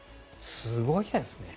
すごいですね。